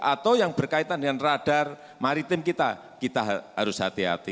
atau yang berkaitan dengan radar maritim kita kita harus hati hati